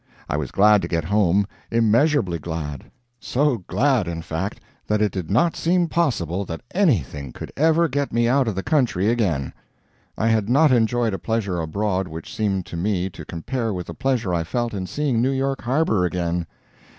I was glad to get home immeasurably glad; so glad, in fact, that it did not seem possible that anything could ever get me out of the country again. I had not enjoyed a pleasure abroad which seemed to me to compare with the pleasure I felt in seeing New York harbor again.